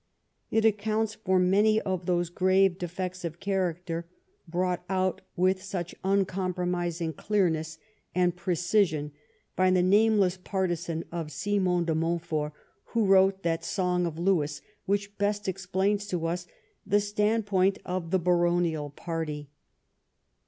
It accounts for many of those grave defects of character brought out with such uncompromising clearness and precision by the nameless partisan of Simon de Montfort, who wrote that Song of Lewes Avhich best explains to us the standpoint of the baronial party.